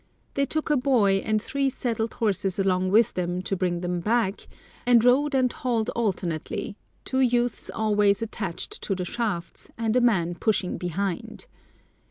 They took a boy and three saddled horses along with them to bring them back, and rode and hauled alternately, two youths always attached to the shafts, and a man pushing behind.